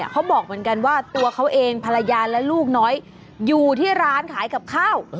เขาบอกเหมือนกันว่าตัวเขาเองภรรยาและลูกน้อยอยู่ที่ร้านขายกับข้าว